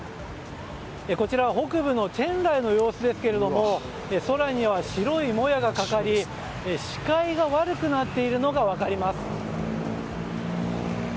こちら北部のチェンライの様子ですが空には白いもやがかかり視界が悪くなっているのが分かります。